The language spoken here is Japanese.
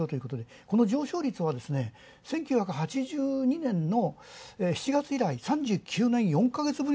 この上昇率は１９８２年の７月以来、３７年９ヶ月ぶり。